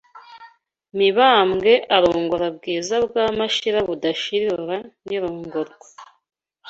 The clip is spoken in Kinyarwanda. Mibambwe arongora Bwiza bwa Mashira budashira irora n’irongorwa